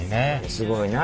すごいな。